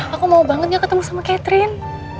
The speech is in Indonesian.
aku mau bangetnya ketemu sama catherine